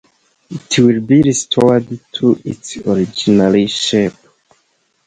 It will be restored to its originally shape.